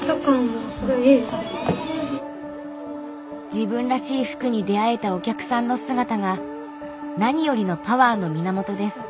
自分らしい服に出会えたお客さんの姿が何よりのパワーの源です。